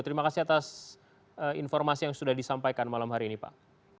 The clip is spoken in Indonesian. terima kasih atas informasi yang sudah disampaikan malam hari ini pak